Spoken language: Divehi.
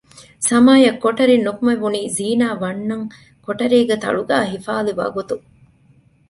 ސަމާއަށް ކޮޓަރިން ނުކުމެވުނީ ޒީނާ ވަންނަން ކޮޓަރީގެ ތަޅުގައި ހިފާލި ވަގުތު